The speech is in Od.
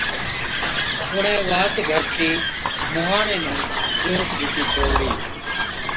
اُڻهين واهچ گھَرٽِي مُونهاڻي نُون جھُونچ ڏِتِي ڇوڙلِي۔